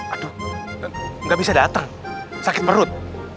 aduh nggak bisa datang sakit perut